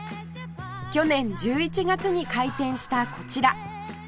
去年１１月に開店したこちら